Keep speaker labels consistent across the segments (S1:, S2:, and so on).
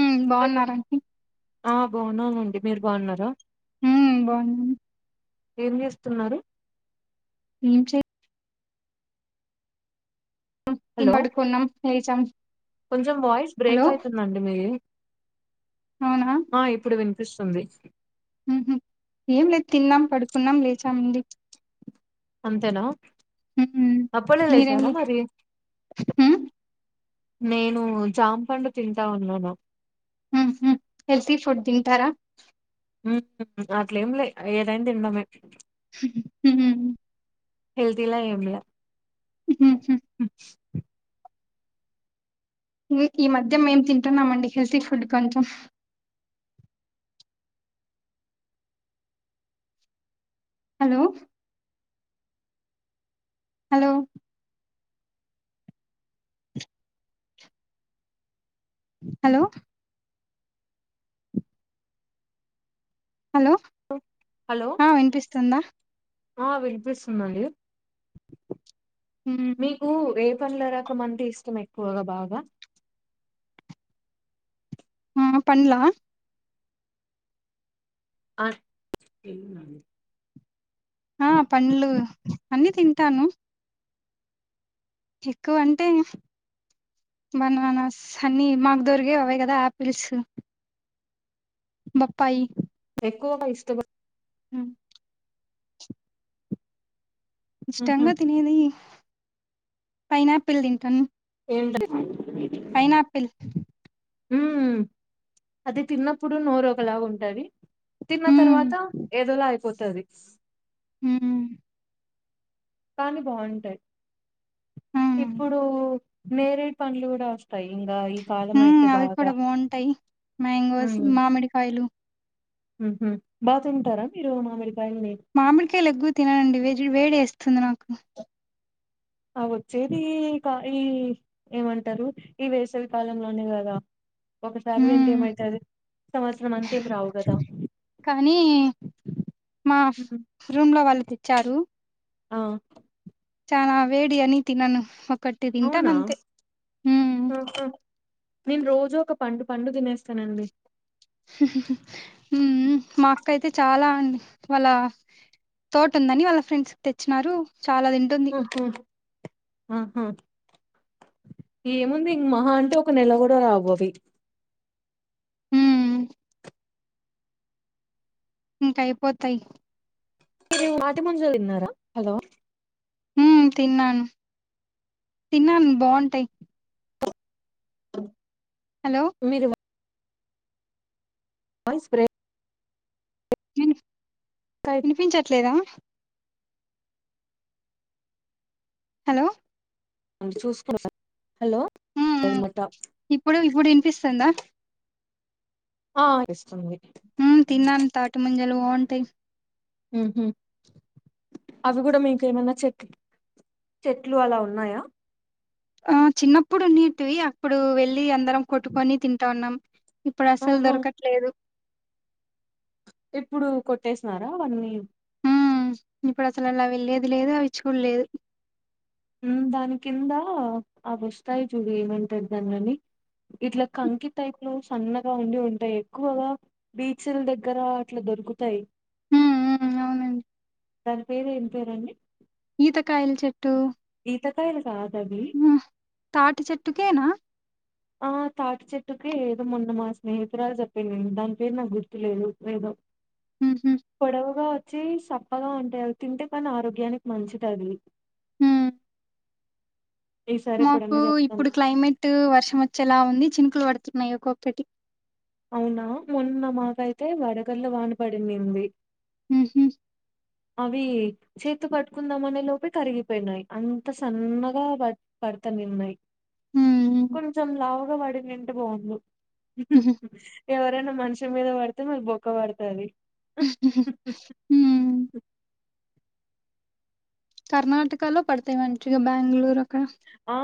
S1: ఉ
S2: hello
S1: బాగున్నారండి
S2: ఆ బాగున్నావునండి మీరు బాగున్నారా
S1: ఉ బాగున్నను
S2: ఏం చేస్తున్నారు
S1: ఏం చె తిన్
S2: హలో
S1: పడుకున్నాం లేచాం
S2: కొంచెం వాయిస్
S1: హలో
S2: బ్రేక్ అయితందండి మీది
S1: అవునా
S2: ఆ ఇప్పుడు వినిపిస్తుంది
S1: ఉహు ఏం లేదు తిన్నాం పడుకున్నాం లేచామండి.
S2: అంతేనా
S1: ఉహు
S2: అప్పన్నే
S1: మీరేం
S2: లేసారా మరి
S1: ఉ
S2: నేను జాంపండు తింటా ఉన్నాను
S1: ఉ హు హెల్తి ఫుడ్ తింటారా
S2: ఉ హు హు అట్లేంలే ఏదైనా తినడమే
S1: ఉహు
S2: హెల్తీలల్యా ఏం ల్యా
S1: ఉహు మీకి ఈ మధ్య మేము తింటున్నామండి హెల్తీ ఫుడ్ కొంచెం. Hello hello hello hello
S2: hello
S1: ఆ వినిపిస్తుందా
S2: ఆ వినిపిస్తుందండి
S1: ఉమ్.
S2: మీకు [unintelligible] అంటే ఇష్టం ఎక్కువగా బాగా
S1: ఆ పన్ల
S2: ఆ
S1: ఆ పండ్లు అన్ని తింటాను ఎక్కువంటే బననాస్ అన్ని మాక్ దొరికేవి అవే కదా ఆపిల్స్ బప్పాయి
S2: ఎక్కువగా ఇష్ట [unintelligible]
S1: ఆ ఇష్టంగా తినేది పైనాపిల్ తింటాను
S2: [unintelligible]
S1: పైనాపిల్
S2: ఉ అది తిన్నప్పుడు నోరు ఒకలాగా ఉంటది తిన్న
S1: హ్మ్
S2: తర్వాత ఏదోలా అయిపోతది
S1: హు
S2: కానీ బాగుంటాయి
S1: అవును
S2: ఇప్పుడు నేరేడు పండ్లు కూడా వస్తాయి ఇంకా
S1: హూ అవి కూడా బాగుంటాయి మ్యాంగోస్ మామిడికాయలు
S2: బా తింటారా మీరు మామిడి
S1: మామిడికాయలు ఎక్కువ తిననండి వే వేడి వేస్తుంది నాకు
S2: ఆ వచ్చేది కా ఈ ఏమంటారు ఈ వేసవి కాలంలోనే కదా ఒకసారి తింటే
S1: హ్మ్
S2: ట ఏమవుతది
S1: కానీ మా
S2: హ్మ్
S1: రూమ్ లో వాళ్ళు తెచ్చారు
S2: ఆ
S1: చాన వేడి అని తినను ఒక్కటి తింటాను
S2: అవునా
S1: అంతే
S2: [unintelligible] ఒక పండు పండు తినేస్తానండి
S1: మా అక్క అయితే చాల [unintelligible] వాళ్ళ తోట ఉందని వాళ్ళ ఫ్రెండ్స్కి తెచ్చినారు చాలా తింటుంది
S2: ఆహా ఆహా ఏముంది ఇం మహా అంటే ఒక నెల కూడ రావు అవి
S1: హు ఇంకా అయిపోతాయి
S2: [unintelligible] హలో
S1: హ తిన్నాను తిన్నాను బాగుంటాయి హలో
S2: మీరు వయిస్ బ్రే
S1: వి వినిపించట్లేదా హలో
S2: [unintelligible] హలో [unintelligible]
S1: [unintelligible] పిస్తుందా
S2: ఆ ఇస్తుంది
S1: ఉ తిన్నాను తాటి ముంజలు బాంటాయి
S2: ఊహు అవి కూడా మీకేమన్నా చెక్ చెట్లు అలా ఉన్నాయా
S1: ఆ చిన్నప్పుడు ఉన్నట్వి అప్పుడు వెలి అందరం కొట్టుకొని తింటంన్నాం ఇప్పుడు అసలు
S2: ఆహా
S1: దొరకట్లేదు
S2: ఇప్పుడు కొట్టేసినారా అవన్నీ
S1: ఊ ఇప్పుడు అసలు అలా వెళ్లేేది లేదు అవి చూలేదు
S2: ఉ దాని కింద ఆ వస్తాయి చూడు ఏమంటారు దాన్ని అని ఇట్లా కంకి టైప్లు సన్నగా ఉండి ఉంటాయి ఎక్కువగా బీచల దగ్గర అట్లా దొరుగుతాయి
S1: ఉమ్ ఉమ్ అవునండి
S2: దాని పేరు ఏం పేరుండి
S1: ఈతకాయల చెట్టు
S2: ఈతకాయలు కాద్
S1: ఆ తాటి చెట్టుకే నా
S2: ఆ తాటి చెట్టుకే ఏదో మొన్న మా స్నేహితురాలు చెప్పిందిను దాని పేరు నాకు గుర్తు లేదు ఏదో
S1: ఉహు
S2: పొడవగా వచ్చి సక్కగా ఉంటాయి అవి తింటే కానీ ఆరోగ్యానికి మంచిదది
S1: ఉ
S2: ఈసారి
S1: మాకు
S2: ఎప్పుడన్నా చెప్తాను
S1: ఇప్పుడు క్లైమేట్ వర్షం వచ్ చలా ఉంది చినుకులు పడుతున్నాయి ఒకొక్కటి
S2: అవునా మొన్న మాకైతే వడగల్ళ వానపడిందండి
S1: ఊహు
S2: అవి చేతో పట్టుకుందామనే లోపే కరిగిపోయినాయి అంత సన్నగా వట్ పడతనిన్నాయి
S1: ఉమ్
S2: కొంచెం లావుగా వడి నింటి బావుండు
S1: ఉహు
S2: ఎవరైనా మనిషి మీద పడితే మరి బొక్క పడుతది
S1: ఊ కర్ణటక లో పడతాయి మంచిగా బ్యాంగుళూరు
S2: ఆ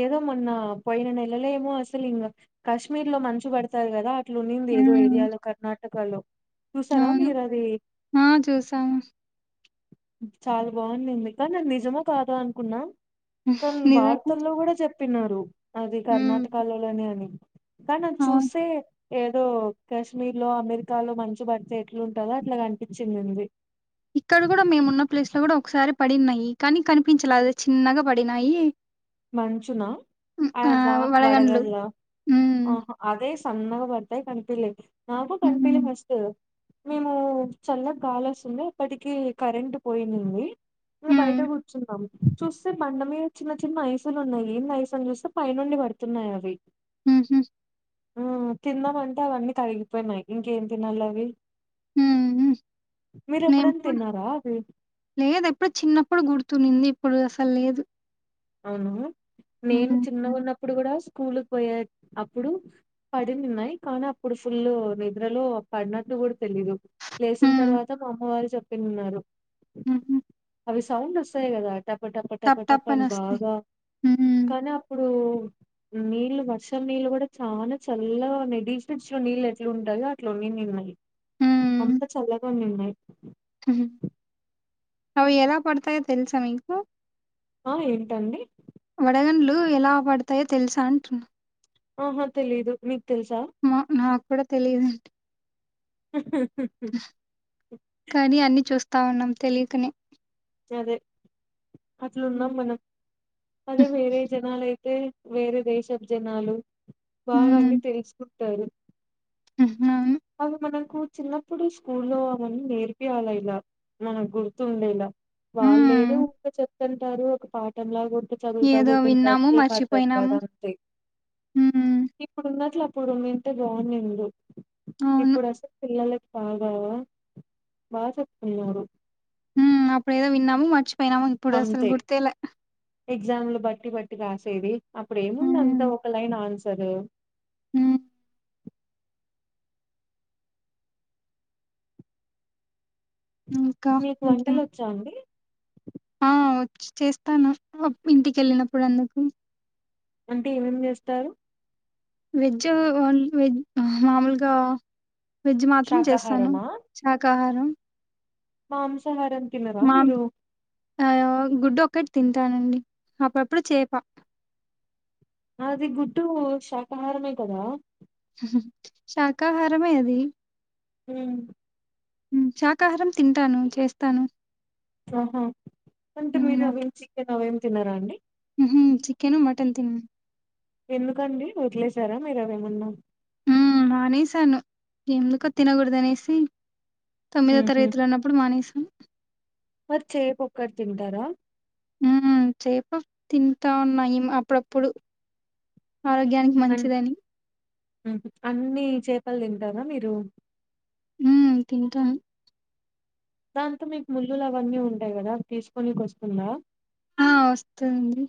S2: ఏదో మొన్న పోయిన నెలలేమో అసలు ఇంకా కాశ్మీర్ లో మంచు పడతది కదా ఇట్లునింది ఏదో
S1: హ్మ్
S2: ఏరియాలో కర్ణాటకలో చూసారా
S1: అవును
S2: మీరది
S1: ఆ చూసాము
S2: చాలా బాగుందండి కాని అది నిజమో కాదా అనుకున్నా కానీ
S1: నిజంగా
S2: వార్తల్లో కూడా చెప్పినారు అది
S1: హ్మ్
S2: కర్ణాటకలో లోని అని కాన్ అద్
S1: అవును
S2: చూసే ఏదో కాశ్మీర్ లో అమెరికాలో మంచు బడితే ఎట్లా ఉంటదో అట్లా కనిపించిందండి
S1: ఇక్కడ కూడా మేమున్న ప్లేస్ లో కూడా ఒకసారి పడినహి కానీ కనిపించలే చిన్నగా పడినాయి
S2: మంచునా ఆ వా వడగల్ ఆ
S1: హ్మ్
S2: అదేస్ సన్నగా బర్తాయి కనిపిల్లి నాకు
S1: హ్మ్
S2: కనిపిల్లి
S1: హ్మ్
S2: ఫస్ట్ ఊ మేము చల్ల గాలస్తుంది అప్పటికి కరెంట్ పోయింనింది ఆ బయట కూర్చున్నాం చూస్తే బండ మీద చిన్న చిన్న ఐస్ తులు ఉన్నాయి ఏం నైసని చూస్తే పైనుండి పడుతున్నాయి అవి
S1: ఊహు
S2: తిన్నామంటే అవన్నీ కలిగిపోయినాయి ఇంకేం తినాలి అవి
S1: ఊ ఉ
S2: మీరు
S1: నేన్
S2: ఎప్పుడైనా
S1: కూడ
S2: తిన్నారా అవి
S1: లేదు ఎప్పుడు చిన్నప్పుడు గుర్తునింది ఇప్పుడు అసలు లేదు
S2: అవును
S1: హ్మ్.
S2: నేను చిన్న
S1: హ్మ్.
S2: ఉన్నప్పుడు కూడా స్కూల్ పోయే అప్పుడు పడిన్నాయి కానీ అప్పుడు ఫుల్ నిద్రలో పడినట్టు కూడా తెలిదు లేసిన
S1: హ్మ్.
S2: తర్వాత మా అమ్మవాళ్లు చెప్పిన్నారు
S1: హుహు.
S2: అవి సౌండ్ వస్తయి కదా టపట
S1: టప్
S2: పటపట
S1: టప్
S2: అని
S1: అనొస్తాయి.
S2: బాగా
S1: హ్మ్.
S2: కానీ అప్పుడు నీళ్లు వర్షం నీళ్లు కూడా చాలా చల్లగా ఉన్నాయి డీప్ ఫ్రిజ్ లో నీళ్ళు ఎట్లా ఉంటాయో అట్లన్ని అంత
S1: హ్మ్.
S2: చల్లగానే ఉన్నాయి
S1: అవి ఎలా పడతాయో తెలుసా మీకు
S2: ఆ ఏంటండి
S1: వడగండ్లు ఎలా పడతాయో తెలుసా అంటున్నా
S2: ఆహా తెలీయదు మీకు తెల్సా
S1: మా నాకు కూడా తెలియదండి కానీ అన్ని చూస్త తా ఉన్నాం తెలియకనే
S2: అదే అట్లున్నాం మనం అదే
S1: హ్మ్
S2: వేరే జనాలయితే అయితే వేరే దేశ జనాలు బాగా అంటే
S1: హ్మ్.
S2: తెలుసుకుంటారు
S1: అవును
S2: అవి మనం కు చిన్నప్పుడు స్కూల్లో అవన్నీ నేర్పియాల ఇలా మనకు గుర్తుండేలా వాళ్ళు ఏది
S1: హ్మ్
S2: ఊక చెప్తుంటారు ఒక పాఠంలాగా ఇ చదువుతా
S1: ఏదో
S2: పోతుంటారు
S1: విన్నాము
S2: ఏం అర్థం కాదు
S1: మర్చిపోయినాము
S2: అంతే
S1: హ్మ్
S2: ఇప్పుడున్నట్ల [unintelligible] ఇప్పుడు [unintelligible] మంతే బాగు నిండు
S1: అవును
S2: ఇప్పుడు అసలు పిల్లలకి బాగావా బాగ చెప్తున్నారు
S1: ఉం అప్పుడు ఏదో విన్నాము మరిచి పోయినాము ఇప్పుడు అసలు
S2: అంతే
S1: గుర్తెలే
S2: ఎగ్జామ్లు బట్టి బట్టి రాసేది అప్పుడు ఏముంది అంతా ఒక లైన్ ఆన్సరు
S1: ఉం ఇంకా
S2: మీకు
S1: ఇంకేం
S2: వంటలు వచ్చా అండి
S1: ఆ వ చేస్తాను ఇంటికి వెళ్ళినప్పుడు అందుకు
S2: అంటే ఏమేమి చేస్తారు
S1: వెజ్ ఓన్ వెజ్ మామూలుగా వెడ్జ్ మాత్రం చేస్తాను
S2: శాకాహారమా
S1: శాకాహారం
S2: మాంసాహారం తినరా
S1: మా
S2: మీరు
S1: ఆ గుడ్ ఒకటి తింటానండి అప్పుడప్పుడు చేప
S2: అది గుడ్డు శాకాహారమే కదా
S1: శాకాహారమే అది
S2: ఉం
S1: ఉం శాకాహారం తింటాను చేస్తాను
S2: ఆహా అంటే మీరు అవి చికెన్ అవేమి తినారా అండి
S1: హు హమ్ చికెను మటన్ తినను
S2: ఎందుకండి వదిలేసారా మీరు అవేమన్నా
S1: ఆ మానేశాను ఎందుకు తినకూడదు అనేసి తొమ్మిదో
S2: ఉహు
S1: తరగతిలో ఉన్నప్పుడు మానేసం
S2: మరి చేప ఒక్కటి తింటారా
S1: ఉం చేప తింటా ఉన్నా ఇ అప్పుడప్పుడు ఆరోగ్యానికి మంచిదని
S2: అన్ని చేపలు తింటారా మీరు
S1: ఉం తింటాను
S2: దాంతో మీకు ముళ్ళులు అవన్నీ ఉంటాయి కదా తీసుకోనికి వస్తుందా
S1: ఆ వస్తుండి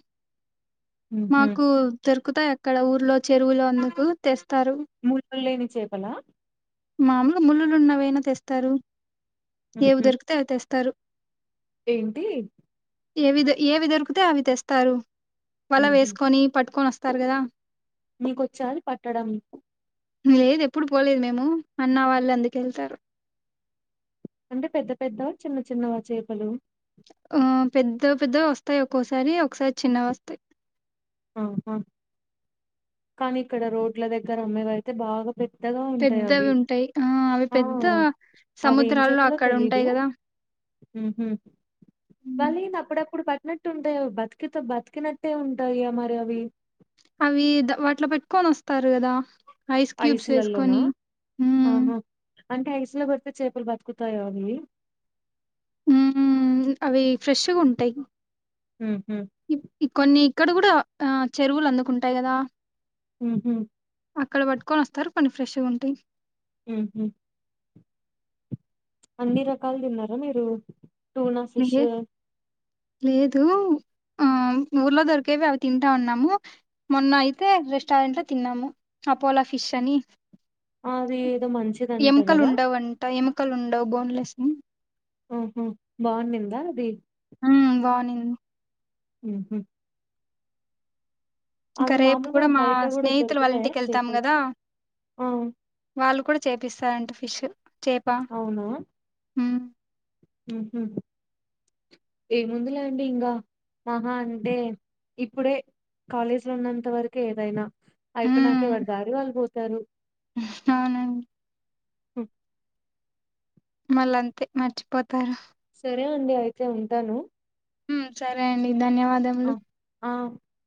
S2: హుహు.
S1: మాకు దొరుకుతా ఎక్కడ ఊర్లో చెరువులోందుకు తెస్తారు
S2: ముల్లులు లేని చేపలా
S1: మామూలు ముళ్ళులు ఉన్నవైనా తెస్తారు ఏవి
S2: హుహు.
S1: దొరికితే అవి తెస్తారు
S2: ఏంటి
S1: ఏవి ఏవి దొరికితే అవి తెస్తారు వల వేసుకొని పట్టుకొని వస్తారు కదా
S2: మీకొచ్చాలి పట్టడం
S1: లేదు ఎప్పుడు పోలేదు మేము అన్న వాళ్ళు అందుక వెళ్తారు
S2: అంటే పెద్ద పెద్ద చిన్న చిన్నవా చేపలు
S1: ఆ పెద్దో పెద్దో వస్తాయి ఒక్కోసారి ఒకసారి చిన్నవి వస్తాయి
S2: ఆహా కానీ ఇక్కడ రోడ్ల దగ్గర అమ్మేవ అయితే బాగా పెద్దగా ఉంటాయి
S1: పెద్దవి
S2: అవి
S1: ఉంటాయి ఆ అవి
S2: ఆ
S1: పెద్ద
S2: అవి ఏం
S1: సముద్రాల్లో
S2: చెప్పలో
S1: అక్కడ
S2: తెలీదు
S1: ఉంటాయి కదా
S2: వాళ్ళం అప్పుడప్పుడు పట్టినట్టు ఉంటాయా బతికితో బతికినట్టే ఉంటాయా మరి అవి
S1: అవి ద వాటిలో పెట్టుకొని వస్తారు కదా ఐస్ క్యూబ్స్
S2: ఐసులల్లోనా?
S1: వేసుకొని
S2: ఆహా! అంటే ఐసులో పెడితే చేపలు బతుకుతాయో అవి
S1: ఉ అవి ఫ్రెష్గా ఉంటాయి
S2: హ హ
S1: ఇ- ఇ- కొన్ని ఇక్కడ కూడా ఆ చెరువులు అందుకుంటాయి కదా
S2: హుహు
S1: అక్కడ పట్టుకొని వస్తారు కొన్ని ఫ్రెష్ గా ఉంటాయి
S2: ఉహు అన్ని రకాలు తిన్నారా మీరు టూ నా ఫిష్
S1: ఏ లేదు ఆ ఊర్లో దొరికేవి అవి తింటా ఉన్నాము మొన్న అయితే రెస్టారెంట్ లో తిన్నాము అపోలో ఫిష్ అని
S2: అది ఏదో మంచిదంట
S1: ఎముకలు
S2: కదా
S1: ఉండవుంట ఎక మక్కలు ఉండవు బోన్లెస్ ని
S2: ఆఓహో బాగుందిందా అది
S1: ఆ బాగునింది
S2: ఉహు
S1: ఇంకా
S2: అవి
S1: రేపు కూడా
S2: మామూలుగా
S1: మా
S2: బయట కూడా
S1: స్నేహితులు వాళ్ళ
S2: దొరుకుతాయా
S1: ఇంటికి వెళ్తాం
S2: చేపలు
S1: కదా
S2: ఆ
S1: వాళ్ళు కూడా చేపిస్తారంటే ఫిష్ చేప
S2: అవునా
S1: ఉమ్
S2: హ ఏముందిలేండి ఇంకా మహా అంటే ఇప్పుడే కాలేజీ లో ఉన్నంత వరకు ఏదైనా అయిపో నాక
S1: ఉమ్
S2: ఎవరు దారి వాళ్ళు పోతారు
S1: అవునండి
S2: స
S1: మళ్ళ అంతే మర్చిపోతారు
S2: సరే అండి అయితే ఉంటాను
S1: సరే అండి ధన్యవాదములు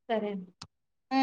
S2: సరేండి
S1: ఆ